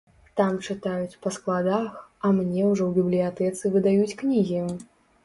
Там чытаюць па складах, а мне ўжо ў бібліятэцы выдаюць кнігі.